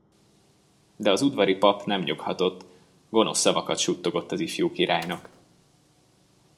De az udvari pap nem nyughatott, gonosz szavakat suttogott az ifjú királynak.